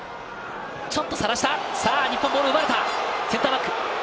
ちょっと探した、日本、ボールを奪われたセンターバック。